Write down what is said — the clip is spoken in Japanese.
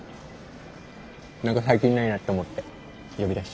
何か最近ないなって思って呼び出し。